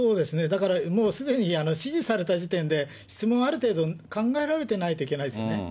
だからもうすでに指示された時点で、質問ある程度考えられてないといけないですよね。